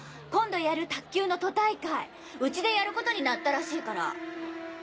今度やる卓球の都大会ウチでやることになったらしいから。